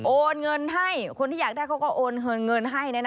โอนเงินให้คนที่อยากได้เขาก็โอนเงินให้